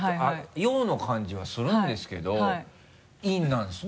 陽の感じはするんですけど陰なんですね。